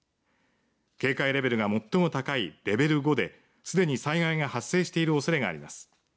警戒レベルが最も高いレベル５ですでに災害が発生しているおそれがあります。